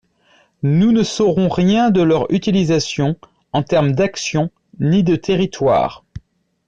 Nous ne saurons rien de leur utilisation en termes d’action ni de territoire.